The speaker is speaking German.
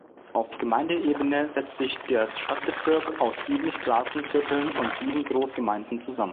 Auf Gemeindeebene setzt sich der Stadtbezirk aus sieben Straßenvierteln und sieben Großgemeinden zusammen.